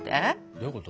どういうこと？